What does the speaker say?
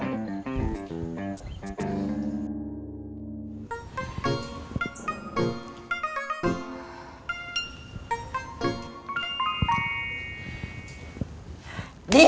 emosi ya nih sekeluarga